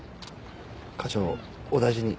課長お大事に。